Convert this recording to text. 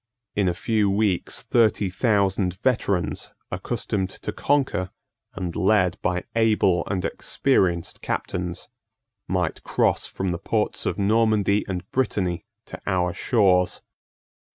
In a few weeks thirty thousand veterans, accustomed to conquer, and led by able and experienced captains, might cross from the ports of Normandy and Brittany to our shores.